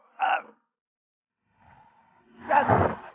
satu dua tiga digas